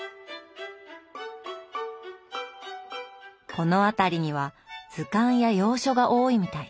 この辺りには図鑑や洋書が多いみたい。